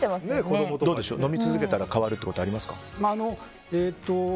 飲み続けたら変わることはありますか？